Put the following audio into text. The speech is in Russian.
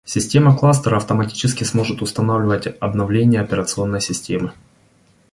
Система кластера автоматически сможет устанавливать обновления операционной системы